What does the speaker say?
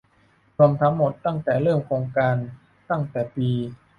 รวมทั้งหมดตั้งแต่เริ่มโครงการตั้งแต่ปี